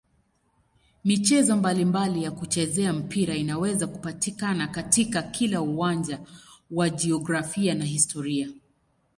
Michezo mbalimbali ya kuchezea mpira inaweza kupatikana katika kila uwanja wa jiografia na historia.